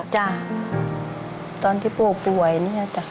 จ้ะตอนที่ปู่ป่วยเนี่ยจ้ะ